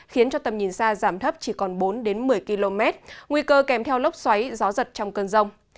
khiến cho tầm nhìn xa giảm thấp chỉ còn bốn đến một mươi km nguy cơ kèm theo lốc xoáy gió giật trong cơn rông